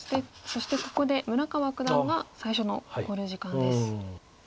そしてここで村川九段が最初の考慮時間です。